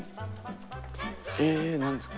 え何ですか？